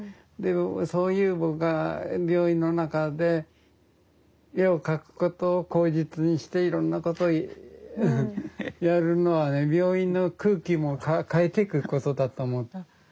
そういう僕は病院の中で絵を描くことを口実にしていろんなことをやるのはね病院の空気も変えていくことだと思って。